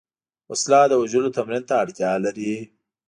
وسله د وژلو تمرین ته اړتیا لري